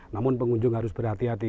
namun pengunjung harus berhati hati